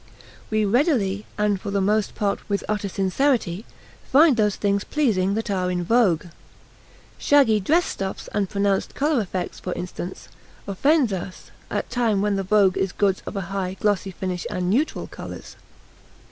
We readily, and for the most part with utter sincerity, find those things pleasing that are in vogue. Shaggy dress stuffs and pronounced color effects, for instance, offend us at times when the vogue is goods of a high, glossy finish and neutral colors.